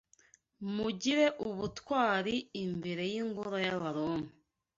Mugire ubutwari imbere yingoro yabaroma